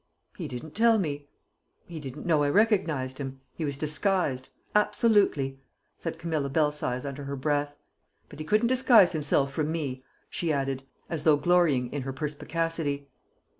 "He didn't tell me." "He didn't know I recognised him; he was disguised absolutely!" said Camilla Belsize under her breath. "But he couldn't disguise himself from me," she added as though glorying in her perspicacity.